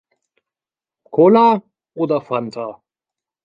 Cola oder Fanta?